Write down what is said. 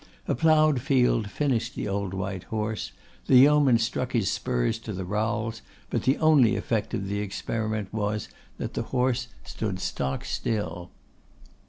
A ploughed field finished the old white horse; the yeoman struck his spurs to the rowels, but the only effect of the experiment was, that the horse stood stock still.